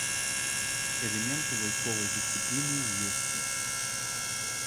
Элементы вайсковай дысцыпліны ўвесці.